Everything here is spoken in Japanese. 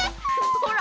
ほら。